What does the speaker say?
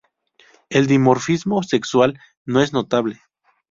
El dimorfismo sexual no es notable.